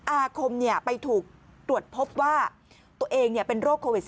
อาคมไปถูกตรวจพบว่าตัวเองเป็นโรคโควิด๑๙